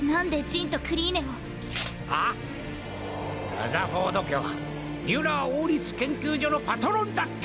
ラザフォード家はミュラー王立研究所のパトロンだった。